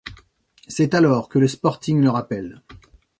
C'est alors que le Sporting le rappelle.